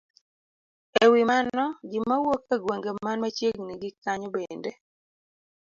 E wi mano, ji mawuok e gwenge man machiegni gi kanyo bende